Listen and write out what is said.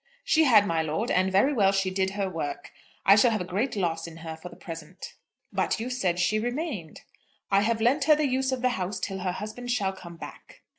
"She had, my lord; and very well she did her work. I shall have a great loss in her, for the present." "But you said she remained." "I have lent her the use of the house till her husband shall come back."